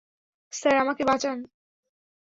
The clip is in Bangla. স্যার, আমাকে বাঁচান।